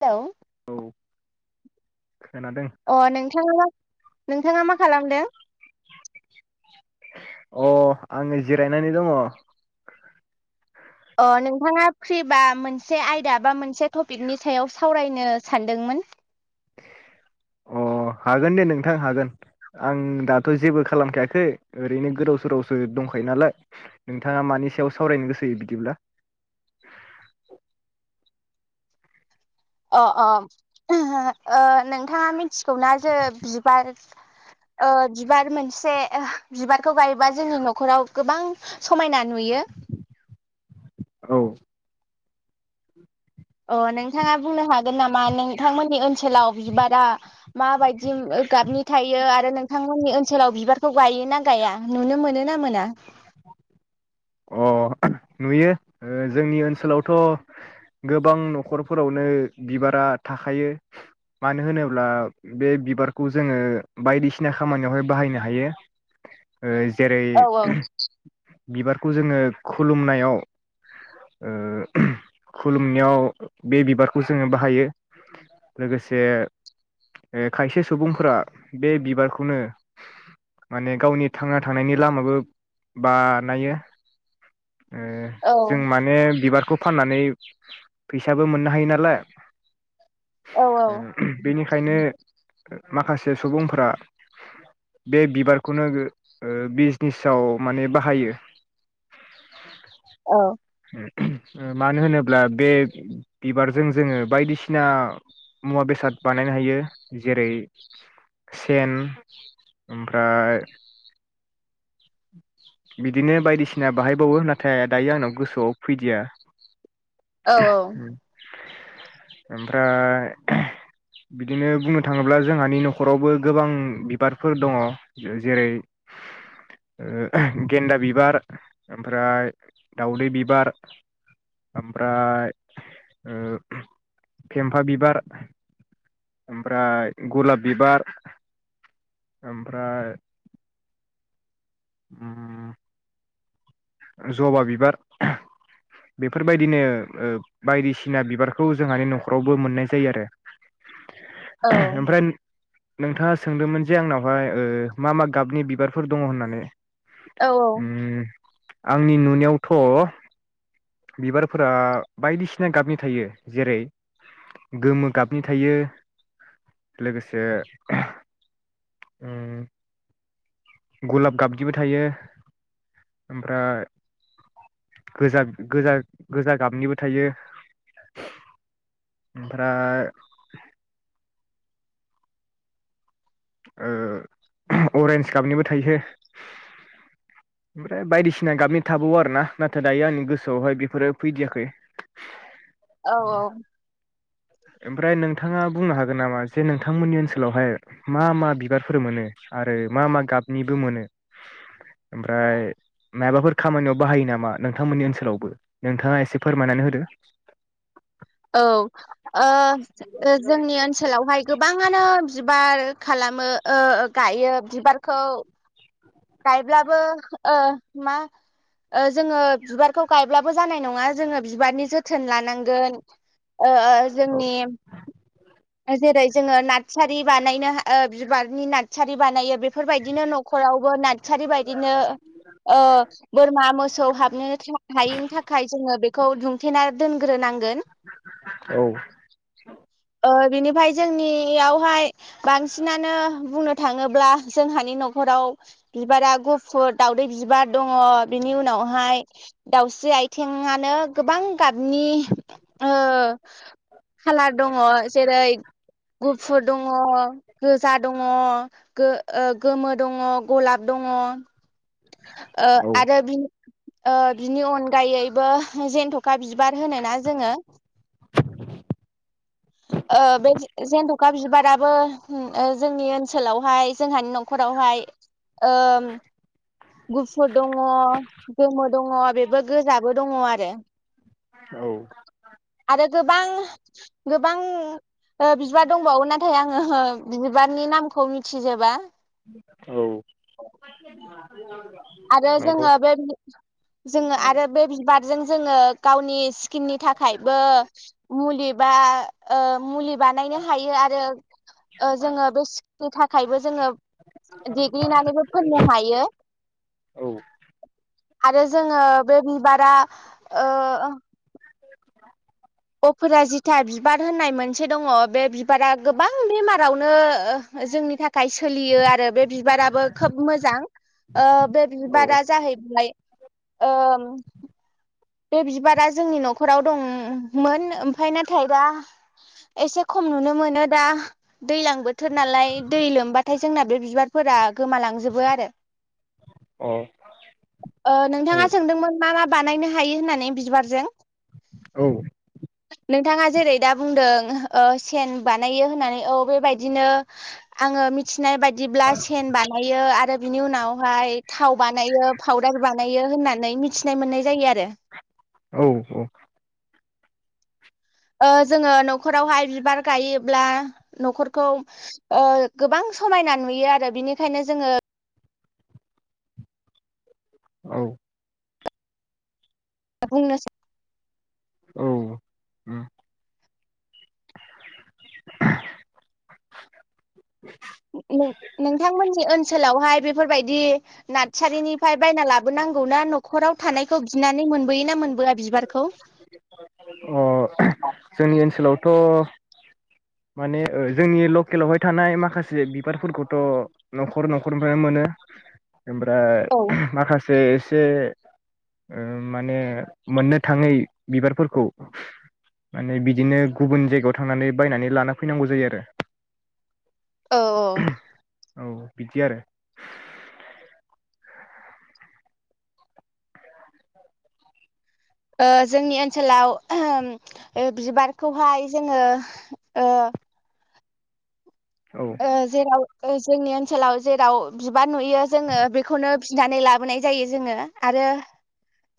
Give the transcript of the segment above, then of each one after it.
लौ [unintelligible] अ नोंथाङा नोंथाङा मा खालामदों? अ आङो जिरायनानै दङ। अ नोंथाङा फ्रिबा मोनसे आयदा बा मोनसे टपिकनि सायाव सावरायनो सानदोंमोन अ हागोन दे नोंथां हागोन। आं दाथ जेबो खालामखायाखै ओरैनो गोदाव सोरावसो दंखायो नालाय नोंथाङा मानि सायाव सावरायनो गोसो बिदिब्ला अ अ ओ नोंथाङा मिथिगौना? जे बिबार ओ बिबार मोनसे बिबारखौ गायोबा जोंनि नखराव गोबां समायना नुयो। औ। अ नोंथाङा बुंनो हागोन नामा नोंथांमोननि ओनसोलाव बिबारा माबायदि गाबनि थायो आरो नोंथांमोननि ओनसोलाव बिबारखौ गायो ना गाया? नुनो मोनो ना मोना? अ नुयो ओ जोंनि ओनसोलावथ' गोबां नखरफोरावनो बिबारा थाखायो ।मानो होनोब्ला बे बिबारखौ जोंङो बायदिसिना खामानियावहाय बाहायनो हायो ओ जेरै औ औ बिबार खौ जोङो खुलुमनायाव ओ खुलुमनायाव बे बिबारखौ जोङो बाहायो । लोगोसे खायसे सुबुंफोरा बे बिबारखौनो माने गावनि थांना थानायनि लामाबो बानायो ओ जों माने बिबारखौ फाननानै फैसाबो मोननो हायो नालाय औ औ। बेनिखायनो माखासे सुबुंफोरा बे बिबारखौनो ओ बिजनेसाव माने बाहायो। औ। मानो होनोब्ला बे बिबारजों जोङो बायदिसिना मुवा बेसाद बानायनो हायो। जेरै सेन ओमफ्राय बिदिनो बायदिसिना बाहायबावो नाथाय दायो आंनाव गोसोआव फैदिया। औ औ। ओमफ्राय बिदिनो बुंनो थाङोब्ला जोंहानि नखरावबो गोबां बिबारफोर दङ । जेरै ओ गेन्दा बिबार, आमफ्राय दाउदै बिबार, आमफ्राय ओ फेम्फा बिबार, आमफ्राय गलाब बिबार, आमफ्राय उम जबा बिबार बेफोरबायदिनो ओ बायदिसिना बिबारखौ जोंहानि नखरावबो मोननाय जायो आरो। औ ओमफ्राय नोंथाङा सोंदोंमोन जे आंनावहाय ओ मा मा गाबनि बिबारफोर दङ होननानै। औ उम आंनि नुनायावथ बिबारफोरा बायदिसिना गाबनि थायो जेरै गोमो गाबनि थायो लोगोसे उम गलाब गाबनिबो थायो ओमफ्राय गोजा-गोजा-गोजा गाबनिबो थायो ओमफ्राय ओ अरेन्ज गाबनिबो थायो। ओमफ्राय बायदिसिना गाबनि थाबावो आरो ना नाथाय दायो आंनि गोसोआवहाय बेफोरो फैदियाखै। औ औ। ओमफ्राय नोंथांआ बुंनो हागोन नामा? जे नोंथांमोननि ओनसोलावहाय मा मा बिबारफोर मोनो आरो मा मा गाबनिबो मोनो ओमफ्राय माबाफोर खामानियाव बाहायो नामा नोंथांमोननि ओनसोलावबो नोंथांआ एसे फोरमायनानै होदो। औ ओ जोंनि ओनसोलावहाय गोबांआनो बिबार खालामो ओ गायो बिबारखौ गायब्लाबो ओ मा ओ जोंङो बिबारखौ गायब्लाबो जानाय नंङा जोंङो बिबारनि जोथोन लानांगोन। [inaudible] ओ ओ औ जोंनि जेरै जोंङो नारसारि ओ बानायनो बिबारनि नारसारि बानायो बे बेफोरबायदिनो नखरावबो नारसारि बायदिनो ओ बोरमा मोसौ हाबनो हायिनि थाखाय जोंङो बे खौ दुंथेना दोन दोनग्रो नांगोन। औ ओ बिनिफ्राय जोंनियावहाय बांसिनानो बुंनो थांङोब्ला जोंहानि नखराव बिबारा गुफुर दावदै बिबार दंङ बिनि उनावहाय दाउस्रि आयथिंआनो गोबां गाबनि ओ खालार दङ। जेरै गुफुर दंङ गोजा दं। दंङ गो-गोमो दंङ गलाब दंङ। ओ आरो बिनि ओ बिनि अनगायै बो जेनथखा बिबार होनोना जोंङो। ओ बे जेनथखा बिबाराबो ओ जोंनि ओनसोलावहाय जोंहानि नखरावहाय ओम गुफुर दंङ गोमो दंङ बेबो गोजाबो दंङ आरो औ आरो गोबां [inaudible] गोबां बिबार दंबावो नाथाय आंङो बिबारनि नामखौ मि थिजोबा। औ। [inaudible] आरो नंगौ जोङो बे जोङो आरो बे बिबारजों जोङो गावनि स्किननि थाखायबो मुलि बा ओ मुलि बानायनो हायो आरो जोङो बे सकिनि थाखायबो जोङो देग्लिनानैबो फोननो हायो औ आरो जोङो बे बिबारा अप जिथा बिबार होननाय मोनसे दङ बे बिबारा गोबां बेमारावनो जोंनि थाखाय सोलियो आरो बे बिबाराबो खोब मोजां बे बिबारा जाहैबायबाय ओ बे बिबारा जोंनि नखराव दंमोन ओमफाय नाथाय दा एसे खम नुनो मोनो दा दैज्लां बोथोर नालाय दै लोमबाथाय जोंना बे बिबारफोरा गोमालांजोबो आरो अ औ औ [inaudible] नोंथाङा सोंदोंमोन मा मा बानायनो हायो होननानै बिबारजों औ नोंथाङा जेरै दा बुंदों सेन बानायो होननानै औ बेबायदिनो आङो मिथि फिनाय बायदिब्ला सेन बानायो आरो बिनि उनावहाय थाव बानायो पावदार बानायो होननानै मिथिनाय मोननाय जायो आरो औ औ ओ जोङो नखरावहाय बिबार गायोब्ला नखरखौ ओ गोबां समायना नुयो आरो बिनिखायनो जोङो औ [unintelligible] बुंनोसै औ [unintelligible] नोंथांमोननि ओनसोलावहाय बेफोरबायदि नारसारिनिफ्राय बायना लाबोनांगौ ना नखराव थानायखौ बिनानै मोनबोयो ना मोनबोआ बिबारखौ अ जोंनि ओनसोलावथ माने जोंनि लकेलावहाय थानाय माखासे बिबारफोरखौथ नखर नखरनिफ्रायनो मोनो ओमफ्राय औ माखासे एसे उम माने मोननो थाङै बिबारफोरफोरखौ खौ माने बिदिनो गुबुन जायगायाव थांनानै बायनानै लाना फैनांगौ जायो आरो औ औ औ बिदि आरो ओ जोंनि ओनसोलाव बिबारखौहाय जोङो औ ओ जेराव जोंनि ओनसोलाव जेराव बिबार नुयो जोङो बेखौनो बिनानै लाबोनाय जायो जोङो आरो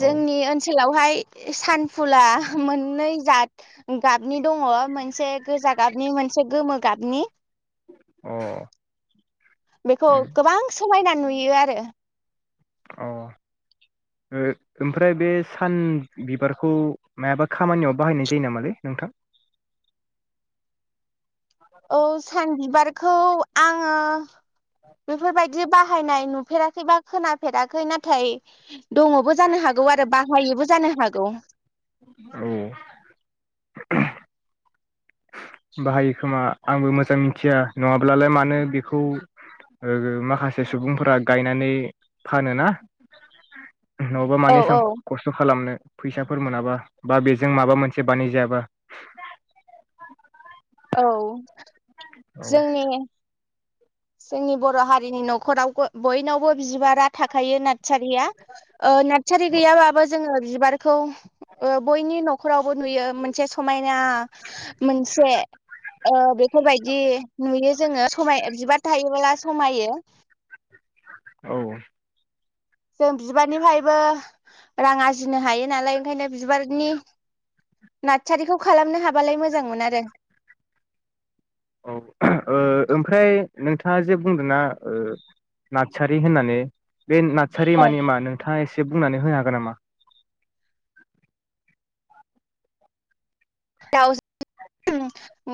औ जोंनि ओनसोलावहाय सानफुला मोननै जाद गाबनि दङ मोनसे गोजा गाबनि मोनसे गोमो गाबनि। अ। बेखौ गोबां समायना नुयो आरो अ ओ ओमफ्राय बे सान बिबारखौ मायाबा खामानियाव बाहायनाय जायो नामालै नोंथां औ सान बिबार खौ आङो बेफोरबायदि बाहायनाय नुफेराखै बा खोनाफेराखै नाथाय दङबो जानो हागौ आरो बाहायोबो जानो हागौ। औ। बाहायो खोमा आंबो मोजां मिथिया नङाब्लालाय मानो बेखौ माखासे सुबुंफोरा गायनानै फानो ना नङाबा औ मानो एसां खस्थ खालामनो। फैसाफोर मोनाबा बा बेजों माबा मोनसे बानायजायाबा औ। औ जोंनि जोंनि बर हारिनि नख'राव बयनावबो बिबारा थाखायो नाथाय नारसारिया नारसारि गैयाबाबो जोङो बिबारखौ ओ बयनि नख'रावबो नुयो मोनसे समायना ना मोनसे ओ बेफोरबायदि नुयो जोङो समाय बिबार नुबोला समायो औ। जों बिबारनिफ्रायबो रां आरजिनो हायो नालाय ओंखायनो बिबारनि नारसारिखौ खालामनो हाबालाय मोजांमोन आरो औ ओ ओमफ्राय नोंथाङा जे बुंदों ना नादसारि होननानै बे नादसारि औ मानि मा नोंथाङा एसे जे बुंनानै होनो हागोन नामा? दाउ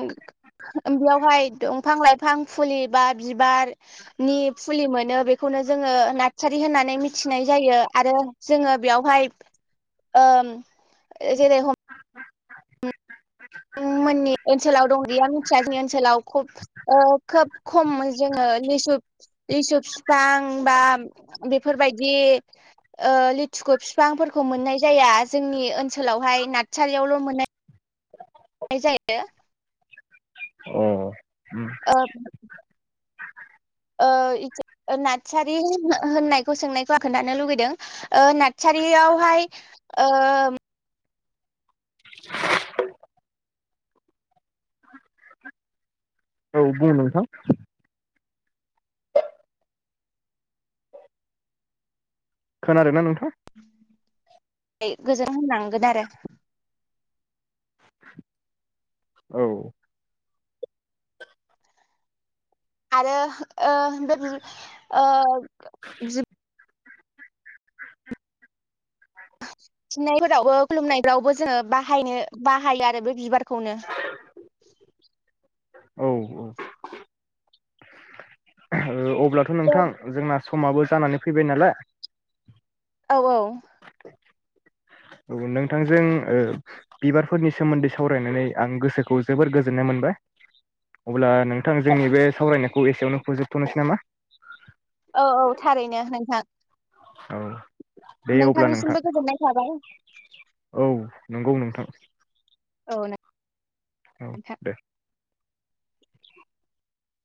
[inaudible] बेयावहाय दंफां लाइफां फुलि बा बिबारनि फुलि मोनो बेखौनो जोङो नादसारि होननानै मिथिनाय जायो आरो जोङो बेयावहाय ओ जेरै हम नोंथां मोननि ओनसोलाव दं गैया मिथिया जोंनि ओनसोलाव खब ओ खोब खम जोङो लिसु लिसु फिफां बा बेफोरबायदि ओ लिथुखु फिफांफोरखौ मोननाय जाया जोंनि ओनसोलावहाय नारसाारियावल' मोननाय नाय जायो अह। ओं। ओ नादसारि होननायखौ सोंनायखौ आं खोन्थानो लुगैदों नादसारियावहाय औ बुं नोंथां। खोनादों ना नोंथां गोजोन होनलांगोन आरो। औ। आरो ओह ओह जिब फिननायफोरावबो खुलुमनायफोरावबो जोङो बाहायनो बाहायो आरो बे बिबारखौनो [inaudible] औ औ। ओ अब ब्लाथ औ नोंथां जोंना समाबो जानानै फैबाय नालाय औ औ औ नोंथांजों ओ बिबारफोरनि सोमोन्दै सावरायनानै आं गोसोखौ जोबोर गोजोननाय मोनबाय अब्ला नोंथां जोंनि बे सावरायनायखौ एसेयावनो फोजोबथनोसै नामा? औ थारैनो नोंथां औ दे अब्ला नोंथां नोंथांनिसिमबो गोजोननाय थाबाय। औ नंगौ नोंथां। औ नों औ दे